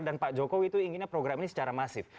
pak jokowi itu inginnya program ini secara masif